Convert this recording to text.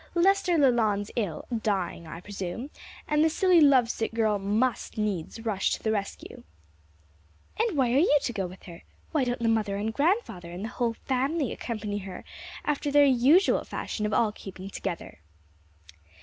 Lester Leland's ill, dying I presume, and the silly love sick girl must needs rush to the rescue." "And why are you to go with her? why don't the mother and grandfather and the whole family accompany her, after their usual fashion of all keeping together?"